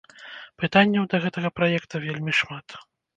Пытанняў да гэтага праекта вельмі шмат.